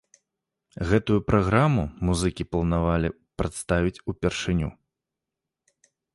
Гэтую праграму музыкі планавалі прадставіць упершыню.